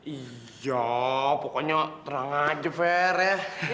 hijau pokoknya terang aja fair ya